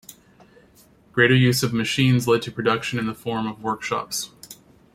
Greater use of machines led to production in the form of workshops.